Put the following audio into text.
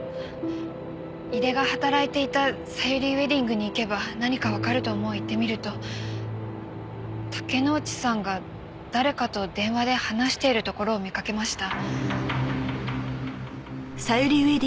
井出が働いていたさゆりウェディングに行けば何かわかると思い行ってみると竹之内さんが誰かと電話で話しているところを見かけました。